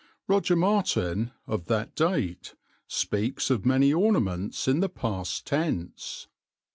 Roger Martin, of that date, speaks of many ornaments in the past tense.